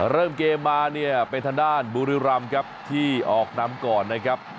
เริ่มเกมมาเนี่ยเป็นทางด้านบุรีรำครับที่ออกนำก่อนนะครับ